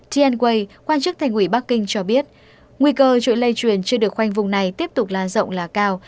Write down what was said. tnway quan chức thành ủy bắc kinh cho biết nguy cơ chuỗi lây truyền chưa được khoanh vùng này tiếp tục lan rộng là cao